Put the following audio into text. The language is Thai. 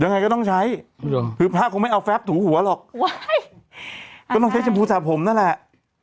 ยังไงก็ต้องใช้คือพระคงไม่เอาแฟบถูหัวหรอกก็ต้องใช้ชมพูสระผมนั่นแหละ